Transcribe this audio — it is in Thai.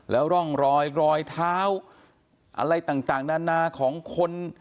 แล้วร่องรอยรอยเท้าอะไรต่างนานาของคน